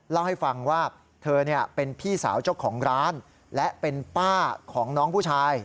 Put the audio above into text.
เล่าให้ฟังว่าเธอเป็นพี่สาวเจ้าของร้านและเป็นป้าของน้องผู้ชาย